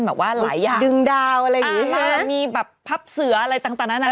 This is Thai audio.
แบบว่าหลายอย่างมีแบบพับเสืออะไรต่างนะ